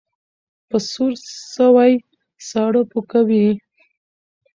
ـ په سور سوى، ساړه پو کوي.